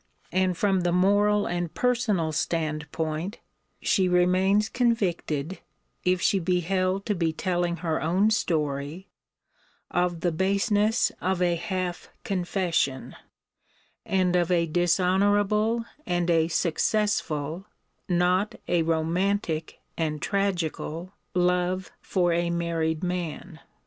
And from the moral and personal standpoint, she remains convicted (if she be held to be telling her own story) of the baseness of a half confession; and of a dishonourable and a successful, not a romantic and tragical, love for a married man.